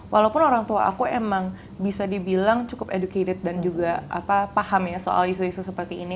walaupun orang tua aku emang bisa dibilang cukup educated dan juga paham ya soal isu isu seperti ini